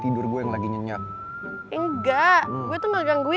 tapi tetep aja dia ngacangin gue